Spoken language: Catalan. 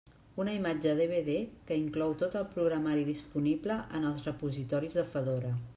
Una imatge DVD que inclou tot el programari disponible en els repositoris de Fedora.